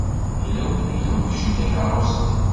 Yella win i ixebcen takeṛṛust-iw.